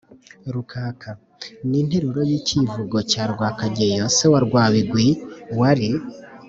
rukaka: ni interuro y’ikivugo cya rwakageyo se wa rwabigwi wari